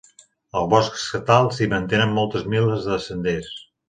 Al Bosc Estatal s'hi mantenen moltes milles de senders.